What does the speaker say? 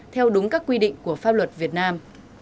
theo đúng các quy định của pháp luật việt nam